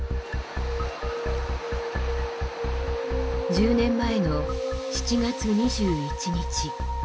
１０年前の７月２１日。